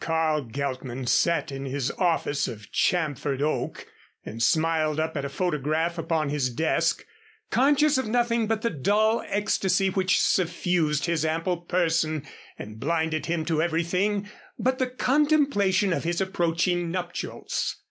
Carl Geltman sat in his office of chamfered oak, and smiled up at a photograph upon his desk, conscious of nothing but the dull ecstasy which suffused his ample person and blinded him to everything but the contemplation of his approaching nuptials.